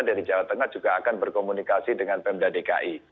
dari jawa tengah juga akan berkomunikasi dengan pemda dki